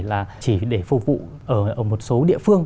là chỉ để phục vụ ở một số địa phương